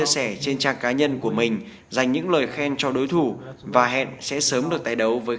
xin kính chào và hẹn gặp lại